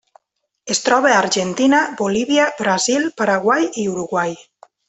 Es troba a Argentina, Bolívia, Brasil, Paraguai i Uruguai.